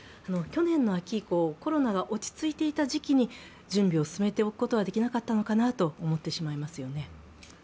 去年の秋以降、コロナが落ち着いていた時期に準備を進めておくことはできなかったのかなと思ってしまいますよね。